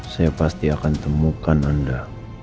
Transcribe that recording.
saya pasti akan temukan anda